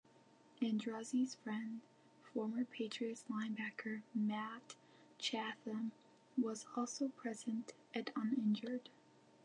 Andruzzi's friend, former Patriots linebacker Matt Chatham, was also present, and uninjured.